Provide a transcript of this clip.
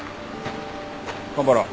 蒲原